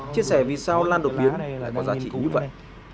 chia sẻ vì sao lan đột biến có giá trị như vậy